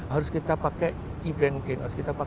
harus kita pakai e banking